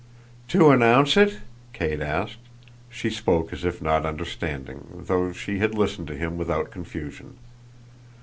"To 'announce' it?" Kate asked. She spoke as if not understanding, though she had listened to him without confusion.